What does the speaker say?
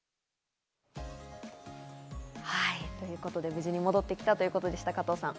無事に戻ってきたということでした。